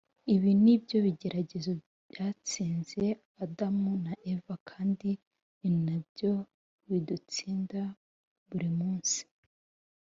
. Ibi ni byo bigeragezo byatsinze Adamu na Eva, kandi ni nabyo bidutsinda buri munsi.